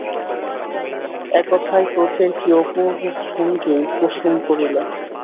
একথায় ক্রোধের কী অপূর্ব ভঙ্গিই কুসুম করিল!